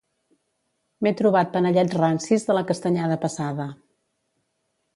M'he trobat panellets rancis de la Castanyada passada.